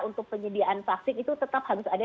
untuk penyediaan vaksin itu tetap harus ada